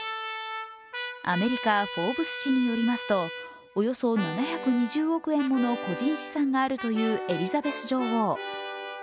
アメリカ「フォーブス」誌によりますとおよそ７２０億円もの個人資産があるというエリザベス女王。